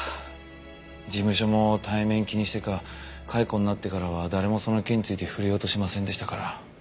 事務所も体面気にしてか解雇になってからは誰もその件について触れようとしませんでしたから。